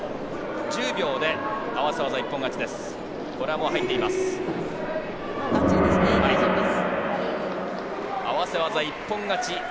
１０秒で合わせ技一本勝ちです。